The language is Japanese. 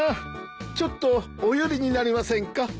ちょっとお寄りになりませんか？